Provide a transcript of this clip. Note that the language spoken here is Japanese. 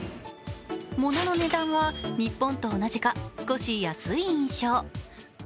物の値段は日本と同じか少し安い印象。